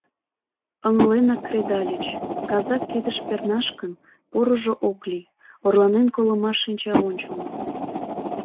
Ыҥленак кредальыч: казак кидыш пернаш гын, порыжо ок лий: орланен колымаш шинча ончылно...